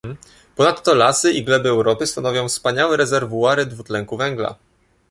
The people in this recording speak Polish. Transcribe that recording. Ponadto lasy i gleby Europy stanowią wspaniałe rezerwuary dwutlenku węgla